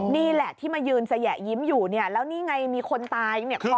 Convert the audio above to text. นี่แหละที่มายืนสะแหยะยิ้มอยู่นี่แล้วนี่ไงมีคนตายคอหักตาย